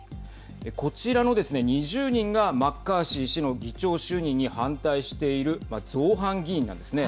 こちらのですね、２０人がマッカーシー氏の議長就任に反対している造反議員なんですね。